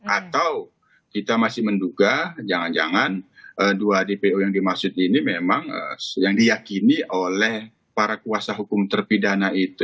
atau kita masih menduga jangan jangan dua dpo yang dimaksud ini memang yang diyakini oleh para kuasa hukum terpidana itu